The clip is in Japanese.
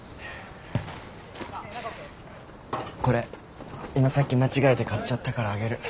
これ今さっき間違えて買っちゃったからあげる。